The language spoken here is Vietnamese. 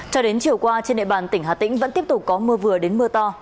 cho đến chiều qua trên địa bàn tỉnh hà tĩnh vẫn tiếp tục có mưa vừa đến mưa to